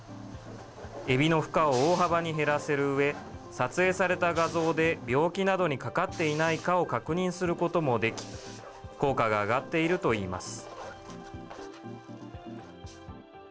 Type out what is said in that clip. エビの負荷を大幅に減らせるうえ、撮影された画像で病気などにかかっていないかを確認することもでき、効果が上がっているといいます。